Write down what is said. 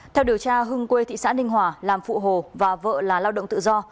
theo điều tra hưng quê thị xã ninh hòa làm phụ hồ và vợ là lao động tự do